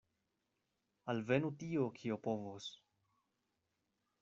Alvenu tio, kio povos!